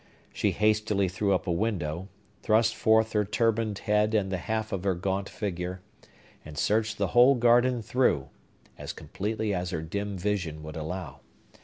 She hastily threw up a window, thrust forth her turbaned head and the half of her gaunt figure, and searched the whole garden through, as completely as her dim vision would allow.